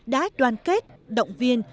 đã đoàn kết động viên